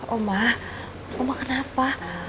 oma oma kenapa